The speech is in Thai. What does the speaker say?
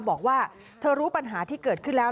บอกว่าเธอรู้ปัญหาที่เกิดขึ้นแล้ว